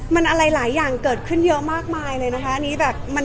มันอะไรหลายอย่างเกิดขึ้นเยอะมากมายเลยนะคะ